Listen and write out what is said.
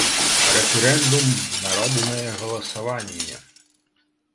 РЭФЕРЭНДУМ - НАРОДНАЕ ГАЛАСАВАННЕ.